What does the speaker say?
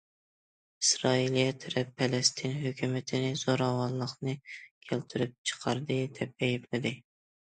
ئىسرائىلىيە تەرەپ پەلەستىن ھۆكۈمىتىنى زوراۋانلىقنى كەلتۈرۈپ چىقاردى دەپ ئەيىبلىدى.